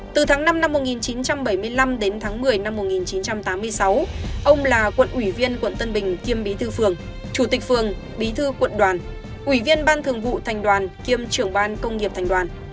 từ tháng năm năm một nghìn chín trăm bảy mươi năm đến tháng một mươi năm một nghìn chín trăm tám mươi sáu ông là quận ủy viên quận tân bình kiêm bí thư phường chủ tịch phường bí thư quận đoàn ủy viên ban thường vụ thành đoàn kiêm trưởng ban công nghiệp thành đoàn